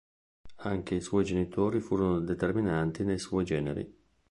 Anche i suoi genitori furono determinanti nei suoi generi.